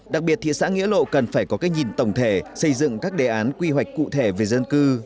đặc biệt thị xã nghĩa lộ cần phải có cái nhìn tổng thể xây dựng các đề án quy hoạch cụ thể về dân cư